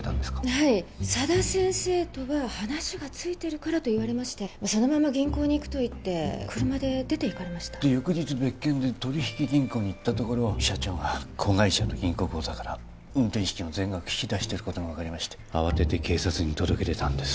はい佐田先生とは話がついてるからと言われましてそのまま銀行に行くと言って車で出て行かれましたで翌日別件で取引銀行に行ったところ社長が子会社の銀行口座から運転資金を全額引き出してることが分かりまして慌てて警察に届け出たんです